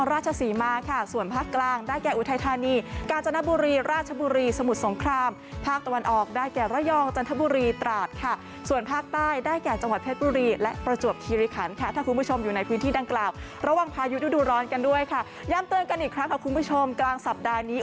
ระหว่างพายุฤดูร้อนกันด้วยค่ะย่ำเตือนกันอีกครั้งคุณผู้ชมกลางสัปดาห์นี้